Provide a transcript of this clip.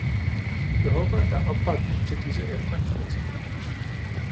Jeg håber, at der er opbakning til disse ændringsforslag.